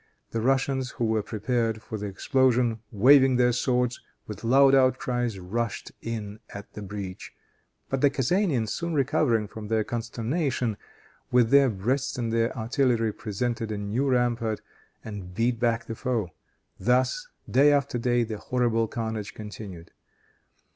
The Russians, who were prepared for the explosion, waving their swords, with loud outcries rushed in at the breach. But the Kezanians, soon recovering from their consternation, with their breasts and their artillery presented a new rampart, and beat back the foe. Thus, day after day, the horrible carnage continued.